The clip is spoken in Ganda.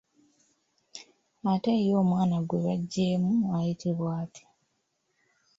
Ate ye omwana gwe baggyeemu ayitibwa atya?